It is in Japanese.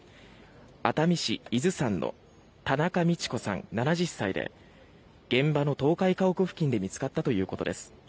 熱海市伊豆山の田中路子さん、７０歳で現場の倒壊家屋付近で見つかったということです。